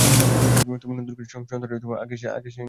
তবে নতুন কোচের সন্ধানে আগের সেই নাটকীয়তা ধরে রাখা হয়েছে ঠিকই।